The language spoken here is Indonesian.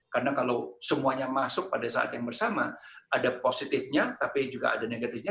karena kalau semuanya masuk pada saat yang bersama ada positifnya tapi juga ada negatifnya